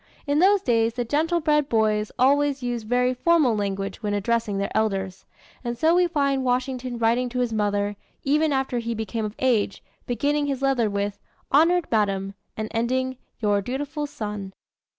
In those days, the gentle bred boys always used very formal language when addressing their elders. And so we find Washington writing to his mother, even after he became of age, beginning his letter with, "Honored Madam," and ending "Your dutiful son."